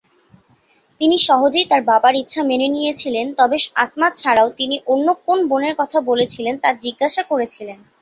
তিনি সহজেই তার বাবার ইচ্ছা মেনে নিয়েছিলেন তবে আসমা ছাড়াও তিনি অন্য কোন বোনের কথা বলছিলেন তা জিজ্ঞাসা করেছিলেন।